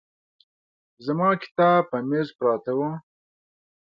زما کتاب په مېز پراته وو.